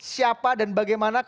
siapa dan bagaimana kalimantan timur